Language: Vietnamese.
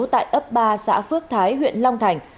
tại ấp ba xã phước thái huyện long thành